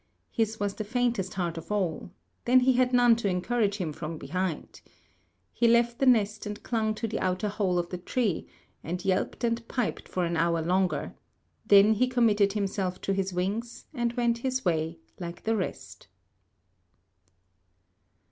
His was the faintest heart of all: then he had none to encourage him from behind. He left the nest and clung to the outer hole of the tree, and yelped and piped for an hour longer; then he committed himself to his wings and went his way like the rest.